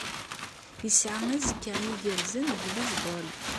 Yesɛa azekka igerrzen deg ubizbul.